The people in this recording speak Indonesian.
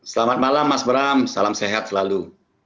selamat malam mas bram salam sehat selalu